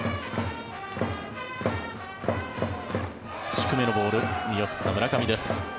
低めのボール見送った村上です。